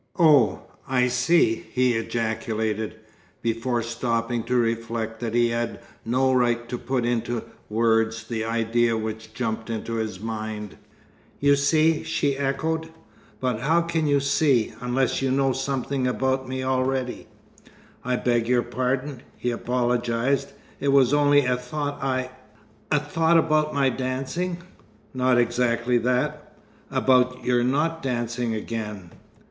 "Oh, I see!" he ejaculated, before stopping to reflect that he had no right to put into words the idea which jumped into his mind. "You see?" she echoed. "But how can you see, unless you know something about me already?" "I beg your pardon," he apologized. "It was only a thought. I " "A thought about my dancing?" "Not exactly that. About your not dancing again."